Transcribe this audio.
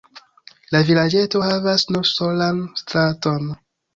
La vilaĝeto havas nur solan straton.